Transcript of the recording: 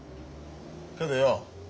けどよ